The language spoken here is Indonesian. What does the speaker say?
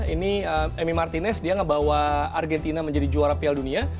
ini amy martinez dia ngebawa argentina menjadi juara piala dunia